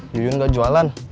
yuyun nggak jualan